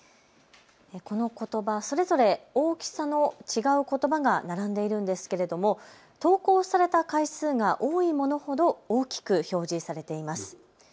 このことば、それぞれ大きさの違うことばが並んでいるんですけれども投稿された回数が多いものほど大きく表示されています。